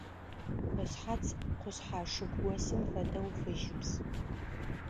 Ышъхьац къушъхьэ шыгу осым фэдэу фыжьыбз.